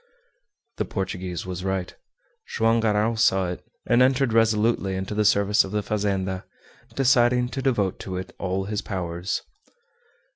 The Portuguese was right. Joam Garral saw it, and entered resolutely into the service of the fazenda, deciding to devote to it all his powers.